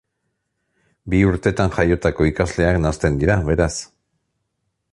Bi urtetan jaiotako ikasleak nahasten dira, beraz.